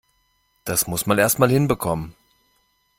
Das muss man erst mal hinbekommen!